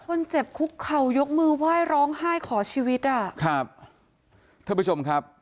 เจ็บคุกเข่ายกมือไหว้ร้องไห้ขอชีวิตอ่ะครับท่านผู้ชมครับ